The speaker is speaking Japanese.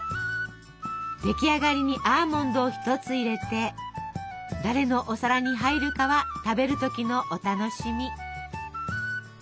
出来上がりにアーモンドを一つ入れて誰のお皿に入るかは食べる時のお楽しみ。